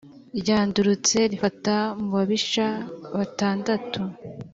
ryandurutse rifata mu babisha batandatu,